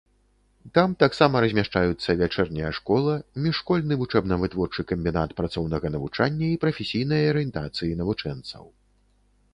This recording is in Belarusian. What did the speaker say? Там таксама размяшчаюцца вячэрняя школа, міжшкольны вучэбна-вытворчы камбінат працоўнага навучання і прафесійнай арыентацыі навучэнцаў.